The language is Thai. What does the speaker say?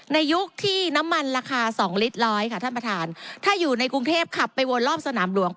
ในยุคที่น้ำมันราคา๒ลิตร๑๐๐ค่ะถ้าอยู่ในกรุงเทพขับไปวนรอบสนามหลวงแป๊บเดียวก็หมด